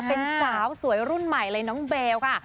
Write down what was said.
เป็นสาวสวยรุ่นใหม่อะไรนะน้องเบลล์ค่ะ